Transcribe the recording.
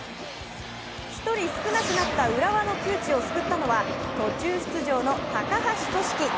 １人少なくなった浦和の窮地を救ったのは途中出場の高橋利樹ｋ。